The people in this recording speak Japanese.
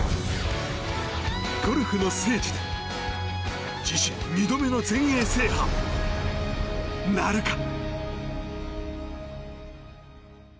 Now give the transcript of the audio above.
ゴルフの聖地で自身２度目の全英制覇なるか？